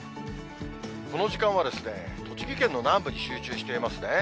この時間は、栃木県の南部に集中していますね。